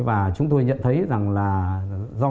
và chúng tôi nhận thấy rằng là do có sự